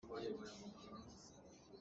Kan vanpang a mot.